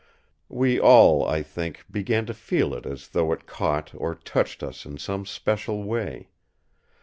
We all, I think, began to feel it as though it caught or touched us in some special way.